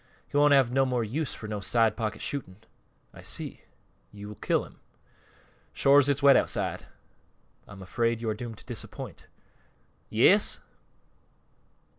"He won't have no more use for no side pocket shooting." "I see; you will kill him." "Shore's it's wet outside." "I'm afraid you are doomed to disappointment." "Ya as?"